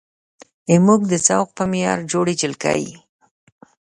زموږ د ذوق په معیار جوړې جلکۍ